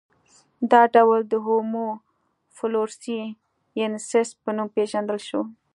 دا ډول د هومو فلورسي ینسیس په نوم پېژندل شو.